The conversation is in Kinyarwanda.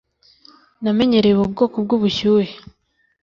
namenyereye ubu bwoko bw'ubushyuhe.